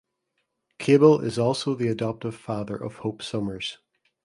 Cable is also the adoptive father of Hope Summers.